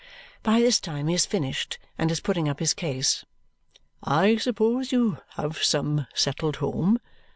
By this time he has finished and is putting up his case. "I suppose you have some settled home.